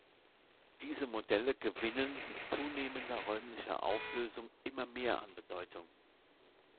Diese Modelle gewinnen mit zunehmender räumlicher Auflösung immer mehr an Bedeutung.